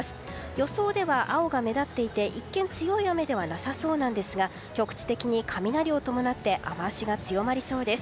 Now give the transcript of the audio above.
予想では青が目立っていて一見強い雨ではなさそうなんですが局地的に雷を伴って雨脚が強まりそうです。